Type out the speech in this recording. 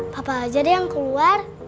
papa ajar yang keluar